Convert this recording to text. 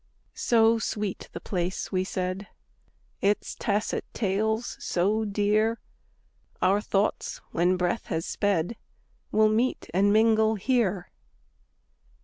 "So sweet the place," we said, "Its tacit tales so dear, Our thoughts, when breath has sped, Will meet and mingle here!"